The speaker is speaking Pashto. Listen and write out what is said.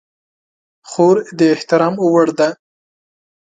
خور د احترام وړ ده.